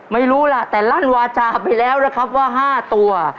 ไม่รู้ล่ะแต่ลั่นวาจาไปแล้วนะครับว่า๕ตัว